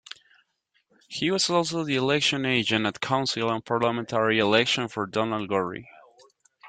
He was also the election agent at council and parliamentary elections for Donald Gorrie.